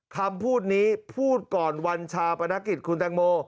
คำพูดนี้พูดก่อนวันชาปนกิจคุณแตงโม